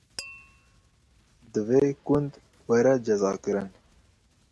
Divê kund were cezakirin!